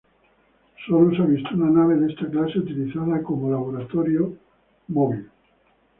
Sólo se ha visto una nave de esta clase utilizada como laboratorio móvil.